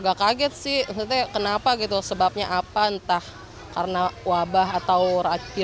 ke lokasi pemeriksaan dan pemberian vitamin